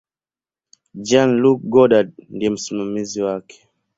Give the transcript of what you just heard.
Jean-Luc Godard ndiye msimamizi wake.